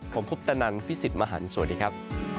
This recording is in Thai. ผมคุปตนันพี่สิทธิ์มหันฯสวัสดีครับ